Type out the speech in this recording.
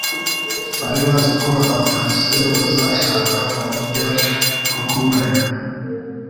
Bari bazi ko abafarisayo bazashaka uburyo bwo kumurega,